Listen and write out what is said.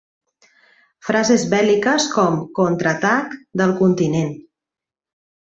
Frases bèl·liques com "Contraatac del continent!"